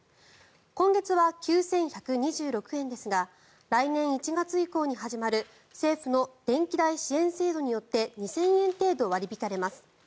今月は９１２６円ですが来年１月以降に始まる政府の電気代支援制度によって２０００円程度割り引かれます。